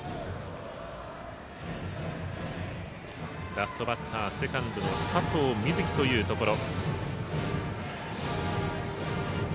ラストバッター、セカンドの佐藤瑞祇というところ。